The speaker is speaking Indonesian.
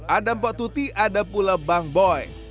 ada mpok tuti ada pula bang boy